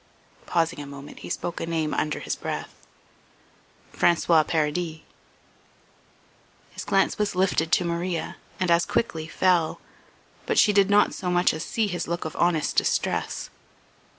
Pausing a moment he spoke a name under his breath: "François Paradis." His glance was lifted to Maria and as quickly fell, but she did not so much as see his look of honest distress.